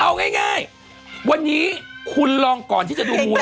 เอาง่ายวันนี้คุณลองก่อนที่จะดูมวย